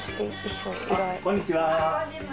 あっこんにちは。